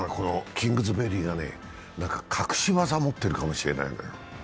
キングズベリーがね、隠し技を持っているかもしれないんだ。